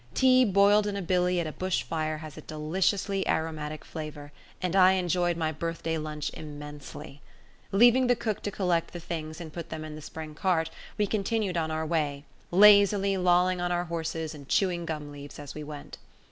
Tea boiled in a billy at a bush fire has a deliciously aromatic flavour, and I enjoyed my birthday lunch immensely. Leaving the cook to collect the things and put them in the spring cart, we continued on our way, lazily lolling on our horses and chewing gum leaves as we went.